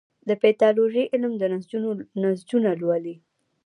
د پیتالوژي علم د نسجونه لولي.